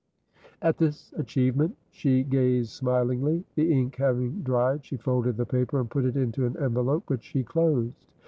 At this achievement she gazed smilingly. The ink having dried, she folded the paper, and put it into an envelope, which she closed.